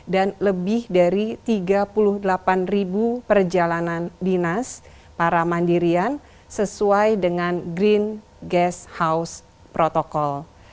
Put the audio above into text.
dan lebih dari tiga puluh delapan ribu perjalanan dinas para mandirian sesuai dengan green gas house protocol